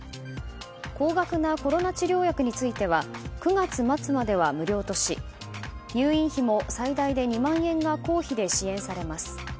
高額なコロナ治療薬については９月末までは無料とし入院費も最大で２万円が公費で支援されます。